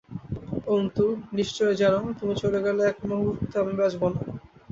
অন্তু, নিশ্চয় জেনো, তুমি চলে গেলে একমুহূর্ত আমি বাঁচব না।